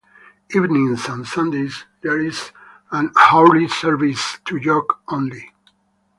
Evenings and Sundays, there is an hourly service to York only.